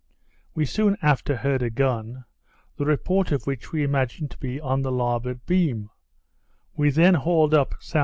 We soon after heard a gun, the report of which we imagined to be on the larboard beam; we then hauled up S.E.